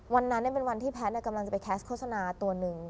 วันนั้นเป็นวันที่แพทย์กำลังจะไปแคสต์โฆษณาตัวหนึ่ง